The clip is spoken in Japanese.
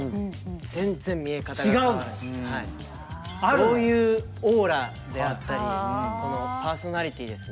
どういうオーラであったりこのパーソナリティーですね。